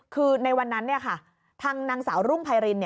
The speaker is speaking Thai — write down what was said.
คือในวันนั้นทางนางสาวรุ่งไพริน